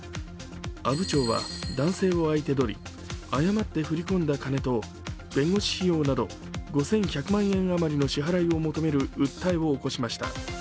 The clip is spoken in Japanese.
阿武町は男性を相手取り、誤って振り込んだ金と弁護士費用など５１００万円余りの支払いを求める訴えを起こしました。